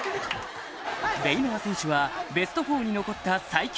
ベイ・ノア選手はベスト４に残った最強